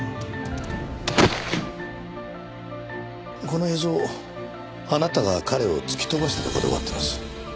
この映像あなたが彼を突き飛ばしたとこで終わってます。